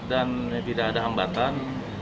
dan tidak ada hambatan